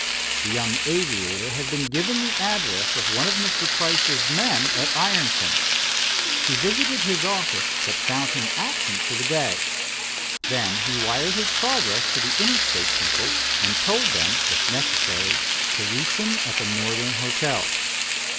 The young aviator had been given the address, of one of Mr. Price's men at Ironton. He visited his office, but found him absent for the day. Then he wired his progress to the Interstate people and told them if necessary to reach, him at the Northern Hotel.